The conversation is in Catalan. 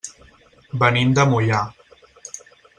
Venim de Moià.